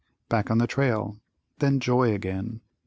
Back on the trail. Then joy again.